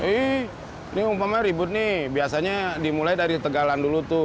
ini umpamanya ribut nih biasanya dimulai dari tegalan dulu tuh